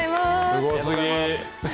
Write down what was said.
すごすぎ。